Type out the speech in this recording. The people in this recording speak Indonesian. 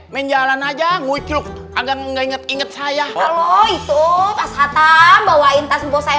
menjalan aja ngujuk agar nggak inget inget saya kalau itu pas hatta bawain tas bos saya